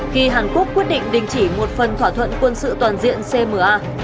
khi hàn quốc quyết định đình chỉ một phần thỏa thuận quân sự toàn diện cma